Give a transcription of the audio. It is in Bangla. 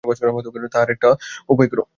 তাহার একটা উপায় করো।